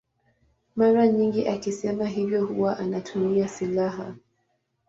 Mara nyingi akisema hivyo huwa anatumia silaha.